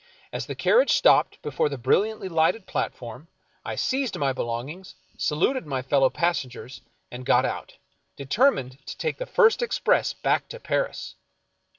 As the carriage stopped before the brilliantly lighted platform, I seized my belongings, saluted my fellow passengers, and got out, de termined to take the first express back to Paris.